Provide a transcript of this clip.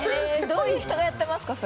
どういう人がやってますか？